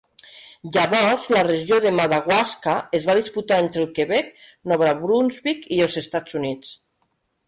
Llavors la regió de Madawaska es va disputar entre el Quebec, Nova Brunsvic i els Estats Units.